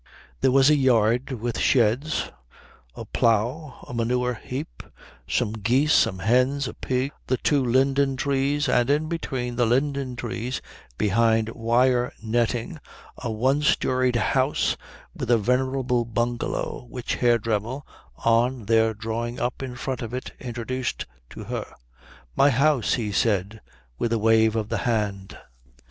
There was a yard with sheds, a plough, a manure heap, some geese, some hens, a pig, the two linden trees, and in between the linden trees behind wire netting a one storied house like a venerable bungalow, which Herr Dremmel, on their drawing up in front of it, introduced to her. "My house," he said, with a wave of the hand.